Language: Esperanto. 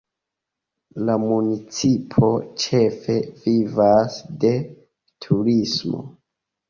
La municipo ĉefe vivas de turismo.